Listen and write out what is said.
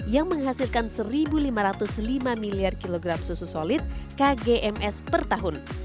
yang menghasilkan satu lima ratus lima miliar kilogram susu solid kgms per tahun